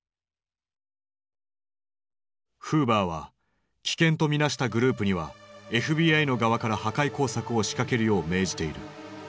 フーバーは危険と見なしたグループにはＦＢＩの側から破壊工作を仕掛けるよう命じている。